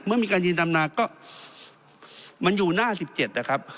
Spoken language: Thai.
เมื่อมีการยืนดำนาก็มันอยู่หน้า๑๗นะครับ